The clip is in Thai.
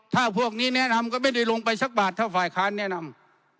ถ้าพวกนี้แนะนำก็ไม่ได้ลงไปสักบาทถ้าฝ่ายค้านแนะนำ